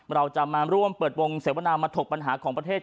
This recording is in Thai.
เราจะมาร่วมเปิดวงเสวนามาถกปัญหาของประเทศ